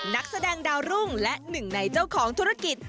นักแสดงดาวรุ่งและหนึ่งในเจ้าของธุรกิจ